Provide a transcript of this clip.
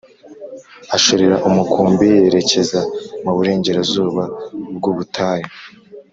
Ashorera umukumbi yerekeza mu burengerazuba bw’ubutayu